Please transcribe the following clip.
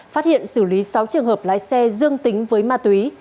phát hiện xử lý sáu trường hợp lái xe dương tính với ma túy